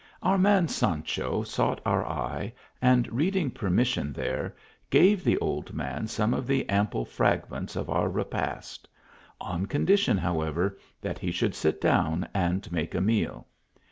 Our man Sancho sought our eye, and reading per mission there, gave the old man some of the ample fragments of our repast ; on condition, however, that he should sit down and make a meal.